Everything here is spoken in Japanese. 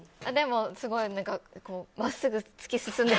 すごい、真っすぐ突き進んで。